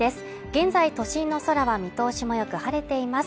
現在都心の空は見通しもよく晴れています。